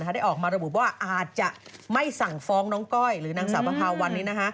ได้ออกมาระบุว่าอาจจะไม่สั่งฟ้องน้องก้อยหรือนางสาวประพาวันนี้